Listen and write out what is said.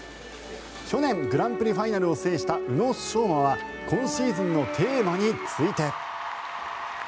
去年、グランプリファイナルを制した宇野昌磨は今シーズンのテーマについて。